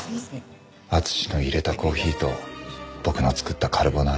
敦のいれたコーヒーと僕の作ったカルボナーラ。